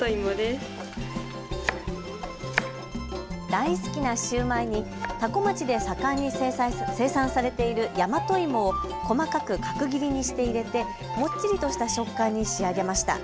大好きなシューマイに多古町で盛んに生産されているやまといもを細かく角切りにして入れて、もっちりとした食感に仕上げました。